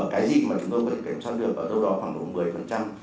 cái gì mà chúng tôi có thể kiểm soát được tốt đoàn khoảng bốn một mươi